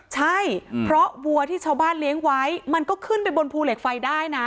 ใช่เพราะวัวที่ชาวบ้านเลี้ยงไว้มันก็ขึ้นไปบนภูเหล็กไฟได้นะ